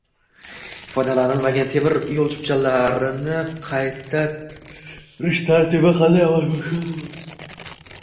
Foydalanilmagan temir yo‘l chiptalarini qaytarish tartibi qanday amalga oshiriladi?